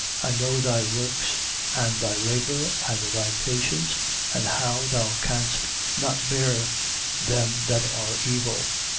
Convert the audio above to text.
I know thy works and thy labour and thy patience and how thou canst not bear them that are evil.